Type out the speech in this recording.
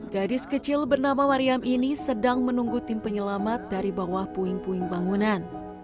gadis kecil bernama mariam ini sedang menunggu tim penyelamat dari bawah puing puing bangunan